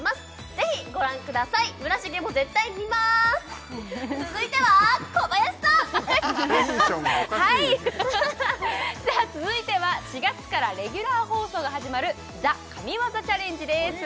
ぜひご覧ください村重も絶対見まーす続いては小林さんははいーさあ続いては４月からレギュラー放送が始まる「ＴＨＥ神業チャレンジ」です